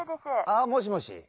ああもしもし